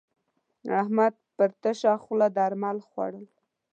احمد پر تشه خوا درمل خوړول.